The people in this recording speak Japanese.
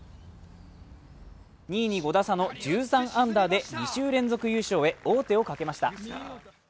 ２位に５打差の１３アンダーで、２週連続優勝へ王手をかけました。